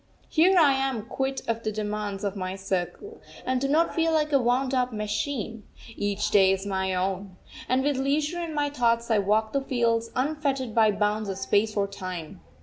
Here I am quit of the demands of my circle, and do not feel like a wound up machine. Each day is my own. And with leisure and my thoughts I walk the fields, unfettered by bounds of space or time.